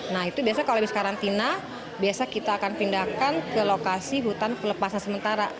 nah itu biasanya kalau habis karantina biasa kita akan pindahkan ke lokasi hutan pelepasan sementara